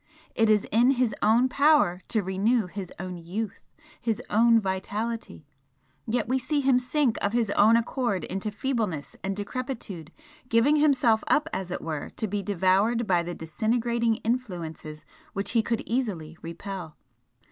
It is in his own power to renew his own youth his own vitality, yet we see him sink of his own accord into feebleness and decrepitude, giving himself up, as it were, to be devoured by the disintegrating influences which he could easily repel.